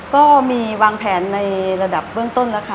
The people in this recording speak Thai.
ก็มีวางแผนในระดับเบื้องต้นแล้วค่ะ